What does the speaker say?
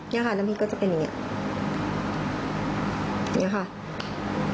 นี่ค่ะน้ำพริกก็จะเป็นอย่างนี้